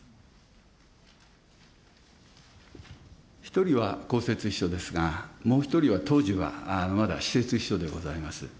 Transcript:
１人は公設秘書ですが、もう１人は、当時はまだ私設秘書でございます。